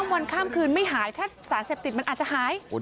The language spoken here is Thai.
วันข้ามคืนไม่หายถ้าสารเสพติดมันอาจจะหาย